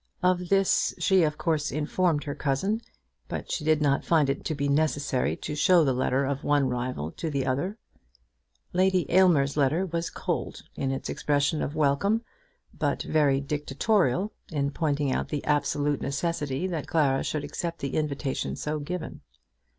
Of this she of course informed her cousin; but she did not find it to be necessary to show the letter of one rival to the other. Lady Aylmer's letter was cold in its expression of welcome, but very dictatorial in pointing out the absolute necessity that Clara should accept the invitation so given.